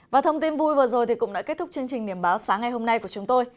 và thông tin vui vừa rồi cũng đã kết thúc chương trình niềm báo sáng ngày hôm nay của chúng tôi